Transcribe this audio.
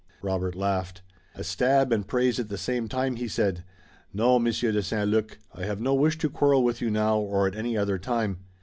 Robert laughed. "A stab and praise at the same time," he said. "No, Monsieur de St. Luc, I have no wish to quarrel with you now or at any other time."